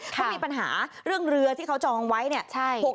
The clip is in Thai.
เขามีปัญหาเรื่องเรือที่เขาจองไว้เนี่ย